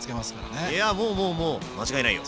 いやもうもうもう間違いないよ。